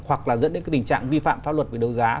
hoặc là dẫn đến cái tình trạng vi phạm pháp luật về đấu giá